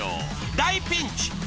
大ピンチ！